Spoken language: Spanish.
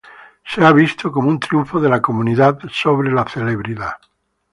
Ha sido visto como un triunfo de la comunidad sobre la celebridad.